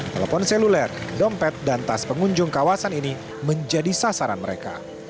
telepon seluler dompet dan tas pengunjung kawasan ini menjadi sasaran mereka